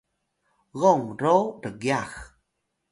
gong ro rgyax